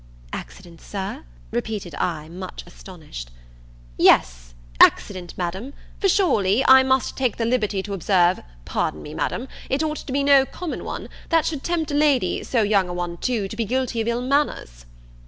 "Accident, Sir!" repeated I, much astonished. "Yes, accident, Madam; for surely, I must take the liberty to observe pardon me, Madam, it ought to be no common one that should tempt a lady so young a one too, to be guilty of ill manners."